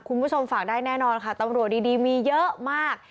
คุณผู้ชมฝากได้แน่นอนค่ะตำรวจดีมีเยอะมาก